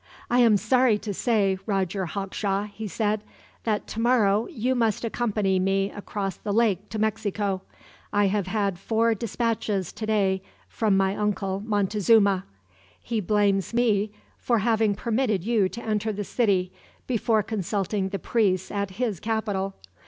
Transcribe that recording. "I am sorry to say, Roger Hawkshaw," he said, "that tomorrow you must accompany me across the lake to Mexico. I have had four dispatches today from my Uncle Montezuma. He blames me for having permitted you to enter the city before consulting the priests at his capital.